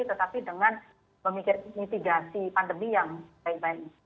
tetapi dengan memikir mitigasi pandemi yang baik baik